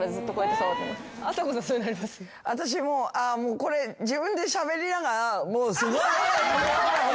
これ自分でしゃべりながらもうすごい。